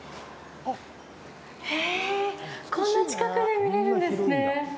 こんな近くで見れるんですね。